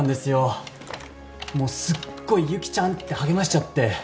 もうすっごい「ゆきちゃん！」って励ましちゃって。